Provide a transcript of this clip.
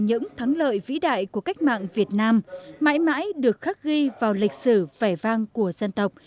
những thắng lợi vĩ đại của cách mạng việt nam mãi mãi được khắc ghi vào lịch sử vẻ vang của dân tộc